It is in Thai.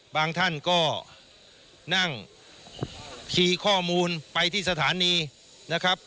บางท่านก็นั่งขี่ข้อมูลไปที่สถานีนะครับ